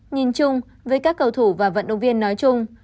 nhìn chung với các cầu thủ và vận động viên nói chung